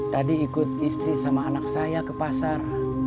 tadi ikut istri sama anak saya ke pasar